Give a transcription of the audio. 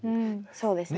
そうですね。